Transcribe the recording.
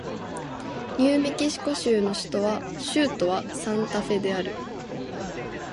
ニューメキシコ州の州都はサンタフェである